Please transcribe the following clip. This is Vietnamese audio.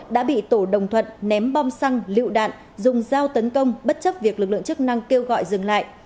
đã bị tổ đồng thuận ném bom xăng lựu đạn dùng dao tấn công bất chấp việc lực lượng chức năng kêu gọi dừng lại